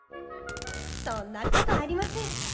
そんなことありません。